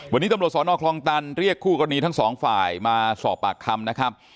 วันนี้ตำรวจสอนอคลองตันเรียกคู่กรณีทั้งสองฝ่ายมาสอบปากคำนะครับ